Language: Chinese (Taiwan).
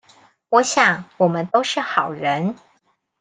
我想我們都是好人